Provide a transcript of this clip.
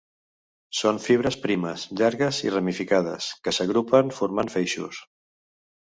Són fibres primes, llargues i ramificades, que s'agrupen formant feixos.